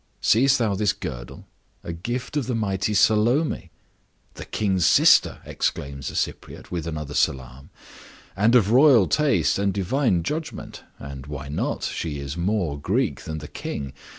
Seest thou this girdle?—a gift of the mighty Salome—" "The king's sister!" exclaims the Cypriote, with another salaam. "And of royal taste and divine judgment. And why not? She is more Greek than the king.